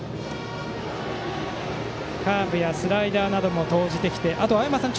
カーブやスライダーなども投じてきてあとは青山さん